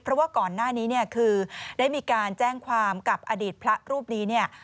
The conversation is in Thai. เพราะว่าก่อนหน้านี้เนี่ยคือได้มีการแจ้งความกับอดีตพระรูปนี้เนี่ย